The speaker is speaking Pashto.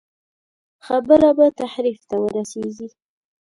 خبره به تحریف ته ورسېږي.